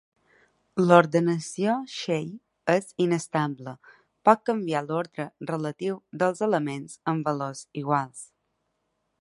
L'ordenació Shell és inestable: pot canviar l'ordre relatiu dels elements amb valors iguals.